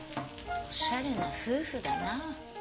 おしゃれな夫婦だな。